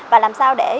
và làm sao để